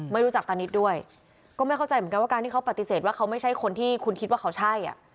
ไม่รู้จักตานิดด้วยก็ไม่เข้าใจเหมือนกันว่าการที่เขาปฏิเสธว่าเขาไม่ใช่คนที่คุณคิดว่าเขาใช่อ่ะ